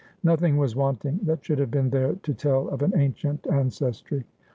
Notbin^rwas wanting that should have been there to tell of an ancient ances try.